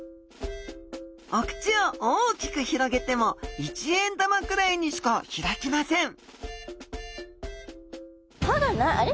お口を大きく広げても一円玉くらいにしか開きませんあれ？